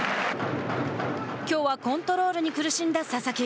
きょうはコントロールに苦しんだ佐々木。